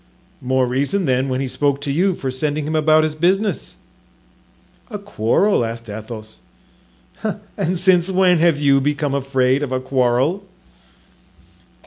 "More reason, then, when he spoke to you, for sending him about his business." "A quarrel?" asked Athos. "And since when have you become afraid of a quarrel?"